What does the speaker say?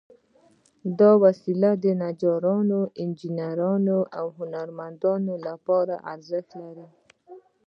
دا وسيله د نجارو، انجینرانو، او هنرمندانو لپاره هم ارزښت لري.